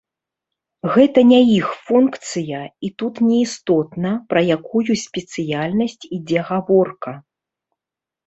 Гэта не іх функцыя, і тут не істотна, пра якую спецыяльнасць ідзе гаворка.